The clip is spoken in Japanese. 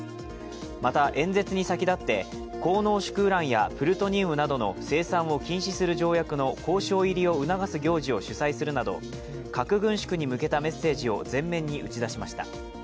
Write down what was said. また、演説に先立って高濃縮ウランやプルトニウムなどの生産を禁止する条約の交渉入りを促す行事を主催するなど核軍縮に向けたメッセージを前面に打ち出しました。